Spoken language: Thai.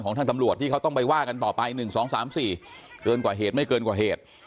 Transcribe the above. ทางตำรวจที่เขาต้องไปว่ากันต่อไป๑๒๓๔เกินกว่าเหตุไม่เกินกว่าเหตุ